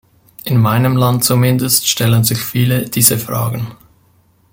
In meinem Land zumindest stellen sich viele diese Fragen.